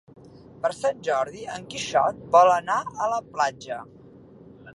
Per Sant Jordi en Quixot vol anar a la platja.